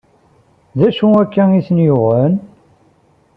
D acu akka i ten-yuɣen?